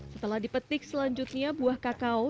setelah dipetik selanjutnya buah kakao